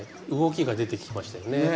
動きが出てきましたよね。